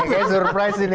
kayak surprise ini